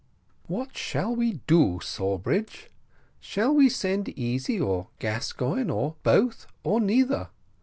"What shall we do, Sawbridge? shall we send Easy or Gascoigne, or both, or neither?